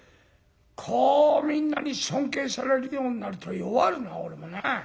こうみんなに尊敬されるようになると弱るな俺もなあ。